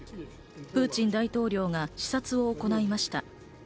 プーチン大統領が視察を行いました。